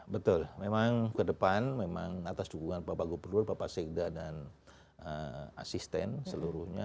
betul memang ke depan memang atas dukungan pak bagu perlu pak pasikda dan asisten seluruhnya